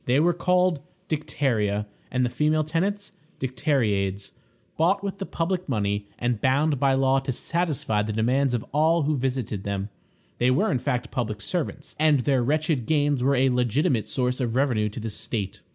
They were called Dicteria, and the female tenants Dicteriades. Bought with the public money, and bound by law to satisfy the demands of all who visited them, they were in fact public servants, and their wretched gains were a legitimate source of revenue to the state.